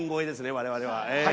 我々は。